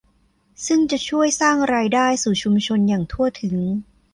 ซึ่งจะช่วยสร้างรายได้สู่ชุมชนอย่างทั่วถึง